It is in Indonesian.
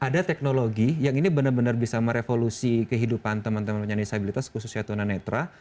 ada teknologi yang ini benar benar bisa merevolusi kehidupan teman teman yang punya disabilitas khususnya tuna netra